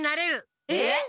えっ？